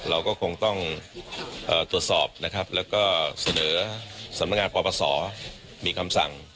เราก็คงต้องตรวจสอบนะครับแล้วก็เสนอสำนักงานปปศมีคำสั่ง